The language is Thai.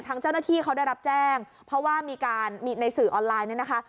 ทางเจ้าหน้าที่เขาได้รับแจ้งเพราะว่ามีการมีในสื่อออนไลน์เนี่ยนะคะ